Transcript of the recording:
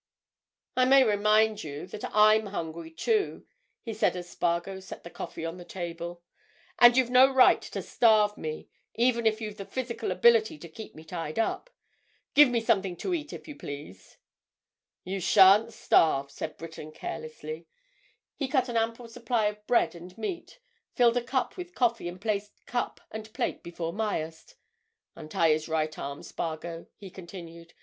"I may remind you that I'm hungry, too," he said as Spargo set the coffee on the table. "And you've no right to starve me, even if you've the physical ability to keep me tied up. Give me something to eat, if you please." "You shan't starve," said Breton, carelessly. He cut an ample supply of bread and meat, filled a cup with coffee and placed cup and plate before Myerst. "Untie his right arm, Spargo," he continued.